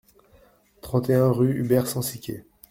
trente et un rue Hubert Sensiquet